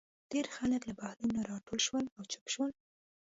ډېر خلک له بهلول نه راټول شول او چوپ شول.